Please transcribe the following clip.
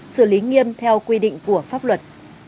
xử lý nghiêm theo quy định của pháp luật